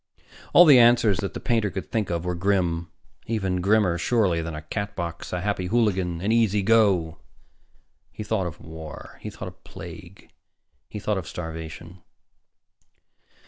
All the answers that the painter could think of were grim. Even grimmer, surely, than a Catbox, a Happy Hooligan, an Easy Go. He thought of war. He thought of plague. He thought of starvation.